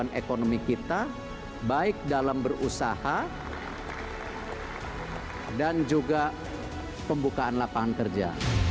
pertumbuhan ekonomi kita baik dalam berusaha dan juga pembukaan lapangan kerja